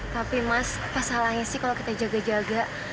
tapi mas masalahnya sih kalau kita jaga jaga